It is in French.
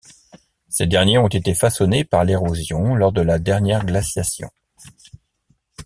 Ces derniers ont été façonnés par l'érosion lors de la dernière glaciation.